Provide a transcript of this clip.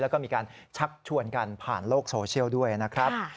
แล้วก็มีการชักชวนกันผ่านโลกโซเชียลด้วยนะครับ